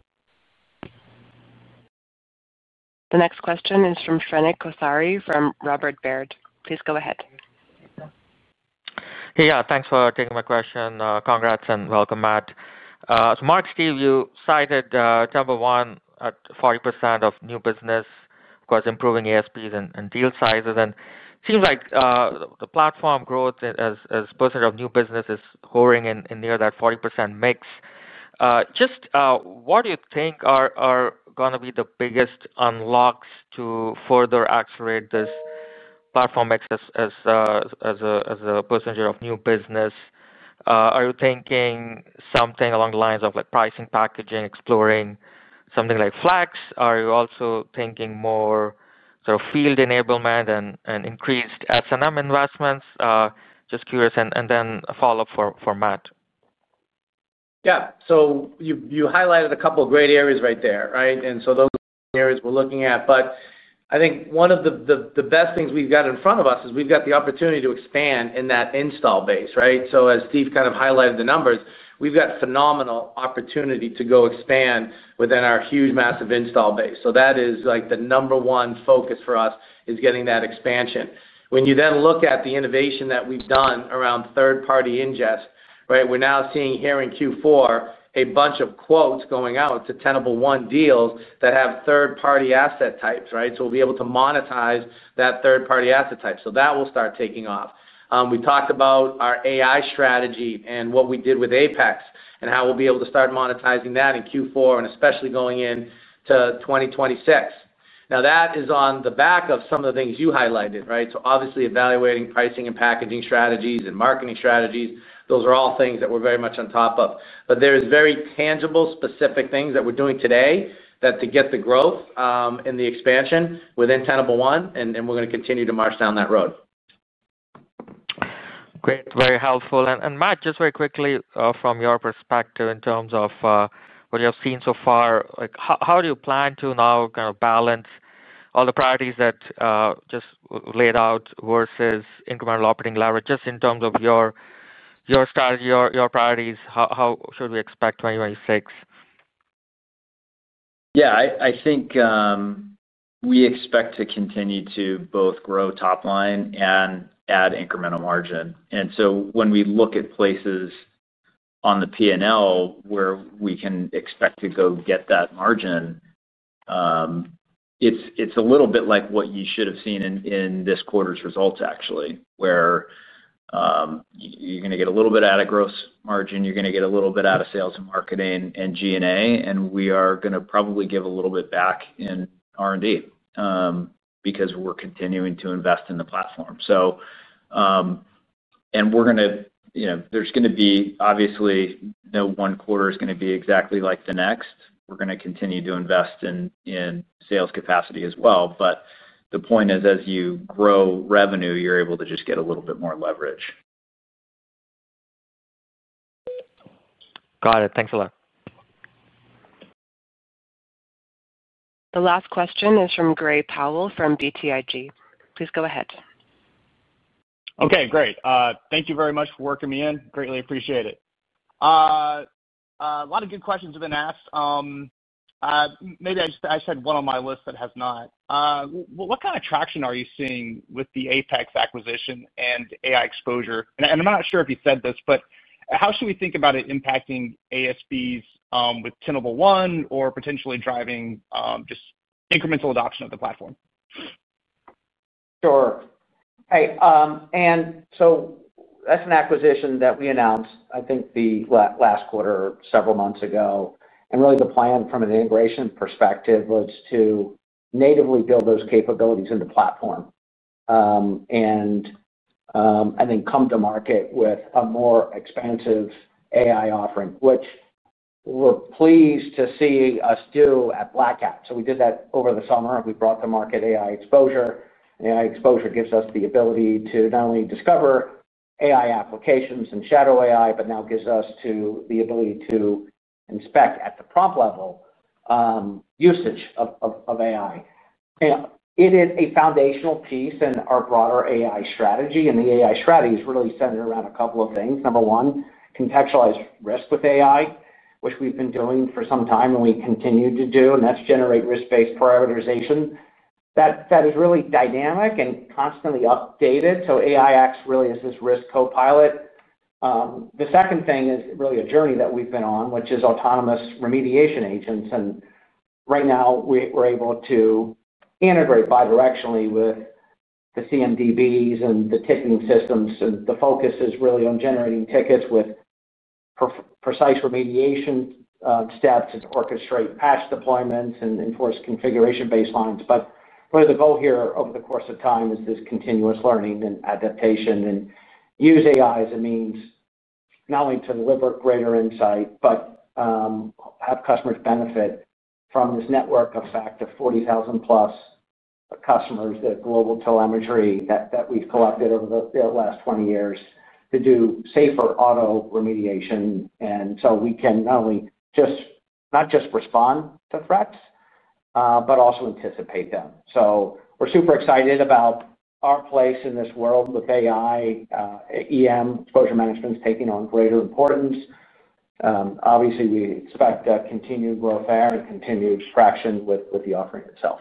The next question is from Shrenik Kothari from Baird. Please go ahead. Hey, yeah, thanks for taking my question. Congrats and welcome, Matt. Mark, Steve, you cited Tenable One at 40% of new business, of course, improving ASPs and deal sizes. It seems like the platform growth as a percentage of new business is hovering near that 40% mix. What do you think are going to be the biggest unlocks to further accelerate this platform mix as a percentage of new business? Are you thinking something along the lines of pricing, packaging, exploring something like flex? Are you also thinking more sort of field enablement and increased S&M investments? Just curious, and then a follow-up for Matt. Yeah. You highlighted a couple of great areas right there, right? Those areas we're looking at. I think one of the best things we've got in front of us is we've got the opportunity to expand in that install base, right? As Steve kind of highlighted the numbers, we've got a phenomenal opportunity to go expand within our huge massive install base. That is like the number one focus for us, getting that expansion. When you then look at the innovation that we've done around third-party ingest, we're now seeing here in Q4 a bunch of quotes going out to Tenable One deals that have third-party asset types, right? We'll be able to monetize that third-party asset type. That will start taking off. We talked about our AI strategy and what we did with Apex and how we'll be able to start monetizing that in Q4 and especially going into 2026. That is on the back of some of the things you highlighted, right? Obviously evaluating pricing and packaging strategies and marketing strategies, those are all things that we're very much on top of. There are very tangible, specific things that we're doing today to get the growth and the expansion within Tenable One, and we're going to continue to march down that road. Great, very helpful. Matt, just very quickly, from your perspective in terms of what you have seen so far, how do you plan to now kind of balance all the priorities that just laid out versus incremental operating leverage? In terms of your strategy, your priorities, how should we expect 2026? Yeah, I think we expect to continue to both grow top line and add incremental margin. When we look at places on the P&L where we can expect to go get that margin, it's a little bit like what you should have seen in this quarter's results, actually, where you're going to get a little bit out of gross margin, you're going to get a little bit out of sales and marketing and G&A, and we are going to probably give a little bit back in R&D because we're continuing to invest in the platform. There's going to be obviously no one quarter is going to be exactly like the next. We're going to continue to invest in sales capacity as well. The point is, as you grow revenue, you're able to just get a little bit more leverage. Got it. Thanks a lot. The last question is from Gray Powell from BTIG. Please go ahead. Okay, great. Thank you very much for working me in. Greatly appreciate it. A lot of good questions have been asked. Maybe I just had one on my list that has not. What kind of traction are you seeing with the Apex acquisition and AI exposure? I'm not sure if you said this, but how should we think about it impacting ASPs with Tenable One or potentially driving just incremental adoption of the platform? Sure. That's an acquisition that we announced, I think, the last quarter or several months ago. The plan from an integration perspective was to natively build those capabilities in the platform and then come to market with a more expansive AI offering, which we're pleased to see us do at Black Hat. We did that over the summer. We brought to market AI exposure. AI exposure gives us the ability to not only discover AI applications and shadow AI, but now gives us the ability to inspect at the prompt level usage of AI. It is a foundational piece in our broader AI strategy. The AI strategy is really centered around a couple of things. Number one, contextualized risk with AI, which we've been doing for some time and we continue to do, and that's generate risk-based parameterization. That is really dynamic and constantly updated. AIX really is this risk copilot. The second thing is really a journey that we've been on, which is autonomous remediation agents. Right now, we're able to integrate bidirectionally with the CMDBs and the ticketing systems. The focus is really on generating tickets with precise remediation steps to orchestrate patch deployments and enforce configuration baselines. The goal here over the course of time is this continuous learning and adaptation and use AI as a means not only to deliver greater insight, but have customers benefit from this network effect of 40,000 plus customers, that global telemetry that we've collected over the last 20 years to do safer auto remediation. We can not only just not just respond to threats, but also anticipate them. We're super excited about our place in this world with AI. Exposure management is taking on greater importance. Obviously, we expect continued growth there and continued traction with the offering itself.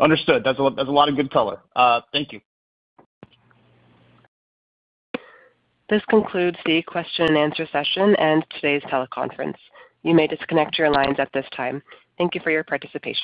Understood. That's a lot of good color. Thank you. This concludes the question and answer session and today's teleconference. You may disconnect your lines at this time. Thank you for your participation.